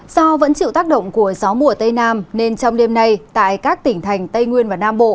do vẫn chịu tác động của gió mùa tây nam nên trong đêm nay tại các tỉnh thành tây nguyên và nam bộ